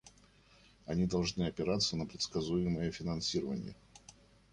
Они должны опираться на предсказуемое финансирование.